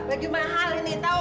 baju mahal ini tau